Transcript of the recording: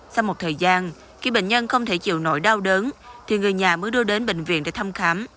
sau một thời gian khi bệnh nhân không thể chịu nổi đau đớn thì người nhà mới đưa đến bệnh viện để thăm khám